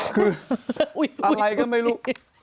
คืออะไรก็ไม่รู้